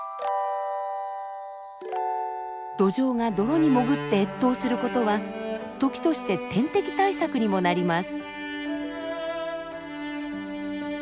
ドジョウが泥に潜って越冬する事は時として天敵対策にもなります。